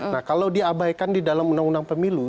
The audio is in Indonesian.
nah kalau diabaikan di dalam undang undang pemilu